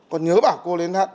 còn nhớ bà cô lên hát